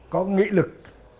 có nghĩ lực